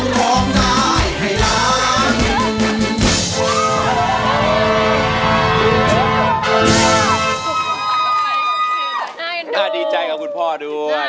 ร้องได้ให้ร้าง